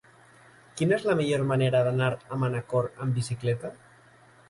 Quina és la millor manera d'anar a Manacor amb bicicleta?